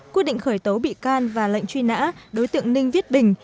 quyết định khởi tố bị can và lệnh truy nã đối tượng ninh viết bình